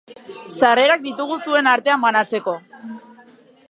Sarrerak ditugu zuen artean banatzeko.